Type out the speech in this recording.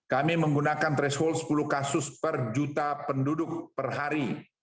kami menggunakan threshold sepuluh kasus per juta penduduk per hari